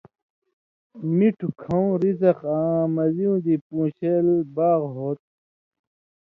مِٹھوۡ کھؤں (رِزق) آں مزیُوں دی پون٘شېلوۡ باغ ہو تُھو۔